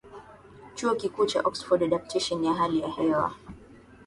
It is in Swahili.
Chuo Kikuu cha Oxford Adaptation ya Hali ya Hewa